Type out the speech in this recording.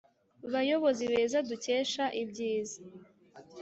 bayobozi beza dukesha ibyiza